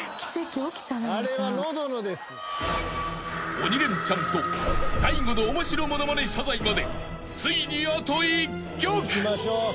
［鬼レンチャンと大悟の面白物まね謝罪までついにあと１曲］